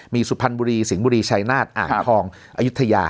มีสุพรรณบุรีสิงห์บุรีชัยนาฏอ่างทองอายุทยา